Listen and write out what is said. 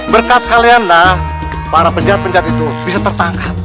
berkat kalianlah para penjahat penjahat itu bisa tertangkap